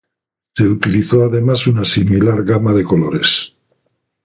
Se utilizó además una similar gama de colores.